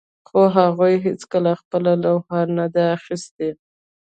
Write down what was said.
خو هغوی هیڅکله خپله لوحه نه ده اخیستې